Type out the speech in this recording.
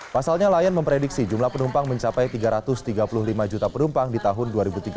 pasalnya lion memprediksi jumlah penumpang mencapai tiga ratus tiga puluh lima juta penumpang di tahun dua ribu tiga puluh